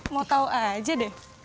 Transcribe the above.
mau tahu aja deh